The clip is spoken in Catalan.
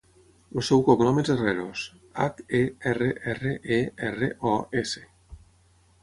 El seu cognom és Herreros: hac, e, erra, erra, e, erra, o, essa.